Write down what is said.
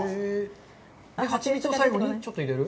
ハチミツを最後にちょっと入れる。